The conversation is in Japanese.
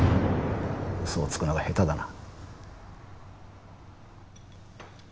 嘘をつくのが下手だな。